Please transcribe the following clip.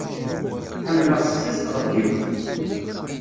Ḥemmleɣ seksu s tɣeddiwt.